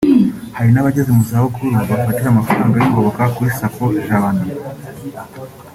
Hari n’abageze mu zabukuru bafatira amafaranga y’ingoboka kuri Sacco Jabana